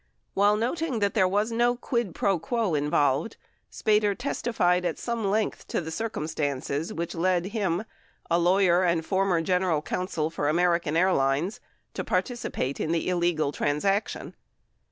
While noting that there was no quid pro quo involved, Spater testi fied at some length to the circumstances which led him, a lawyer and former general counsel for American Airlines, to participate in the illegal transaction.